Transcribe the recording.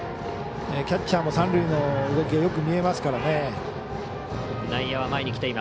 キャッチャーも三塁の動きがよく見えますからね。